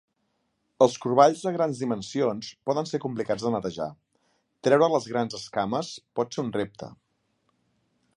Els corballs de grans dimensions poden ser complicats de netejar; treure les grans escames pot ser un repte.